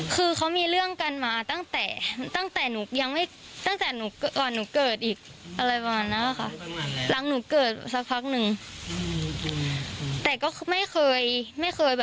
คือเขามีเรื่องกันมาตั้งแต่หนูก่อนหนูเกิดอีก